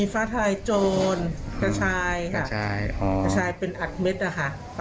เขาแบบหายใจไม่ออกค่ะท่วงนั้นอ่ะ